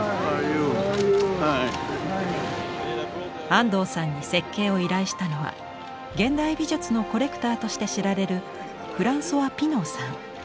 安藤さんに設計を依頼したのは現代美術のコレクターとして知られるフランソワ・ピノーさん。